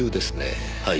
はい。